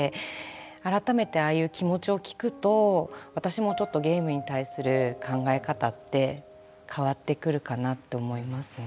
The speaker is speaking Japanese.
改めてああいう気持ちを聞くと私もちょっとゲームに対する考え方って変わってくるかなって思いますね。